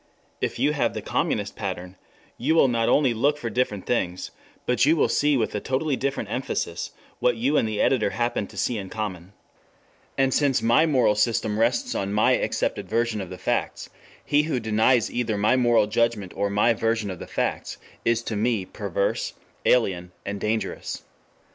If you have the communist pattern, you will not only look for different things, but you will see with a totally different emphasis what you and the editor happen to see in common. 5 And since my moral system rests on my accepted version of the facts, he who denies either my moral judgments or my version of the facts, is to me perverse, alien, dangerous.